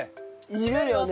いるよね。